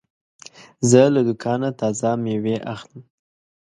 زه له دوکانه تازه مېوې اخلم.